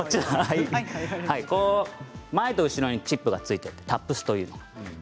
前と後ろにチップがついていてタップスといいます。